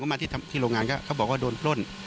วันอาทิตย์ผมก็มาที่โรงงานเขาบอกว่าโดนโพล่น